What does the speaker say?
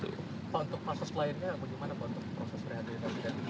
untuk proses lainnya bagaimana proses rehatnya